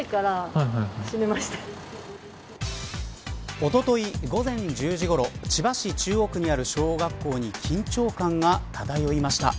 おととい午前１０時ごろ千葉市中央区にある小学校に緊張感が漂いました。